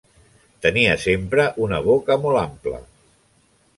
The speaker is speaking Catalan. Tenia sempre una boca molt ampla.